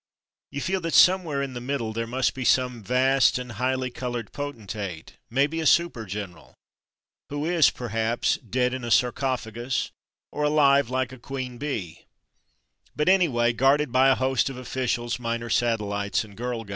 You feel that somewhere in the middle there must be some vast and highly coloured potentate — maybe, a super general — who is, perhaps, dead in a sarcophagus, or alive like a queen bee; but, anyway, guarded by a host of officials, minor satellites, and girl guides.